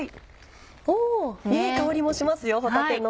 おいい香りもしますよ帆立の。